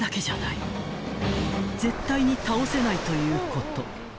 ［絶対に倒せないということ］